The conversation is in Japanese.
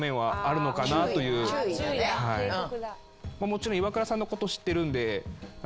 もちろんイワクラさんのこと知ってるんで。